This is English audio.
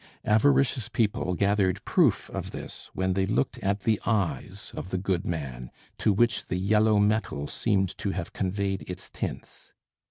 Avaricious people gathered proof of this when they looked at the eyes of the good man, to which the yellow metal seemed to have conveyed its tints.